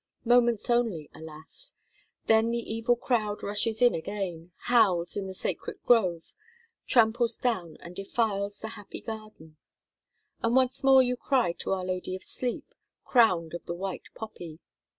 Moments only, alas! Then the evil crowd rushes in again, howls in the sacred grove, tramples down and defiles the happy garden; and once more you cry to Our Lady of Sleep, crowned of the white poppy.